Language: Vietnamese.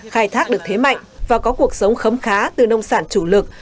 khai thác được thế mạnh và có cuộc sống khấm khá từ nông sản chủ lực